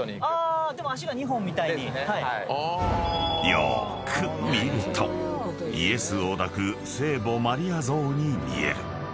［よーく見るとイエスを抱く聖母マリア像に見える］